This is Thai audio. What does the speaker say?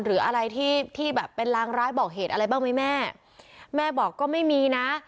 หรืออะไรที่ที่แบบเป็นรางร้ายบอกเหตุอะไรบ้างไหมแม่แม่บอกก็ไม่มีนะ